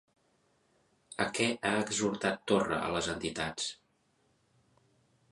A què ha exhortat Torra a les entitats?